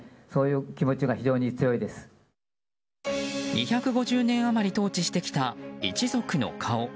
２５０年余り統治してきた一族の顔。